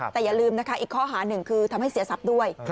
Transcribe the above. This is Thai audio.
แต่อย่าลืมนะคะอีกข้อหาหนึ่งคือทำให้เสียทรัพย์ด้วย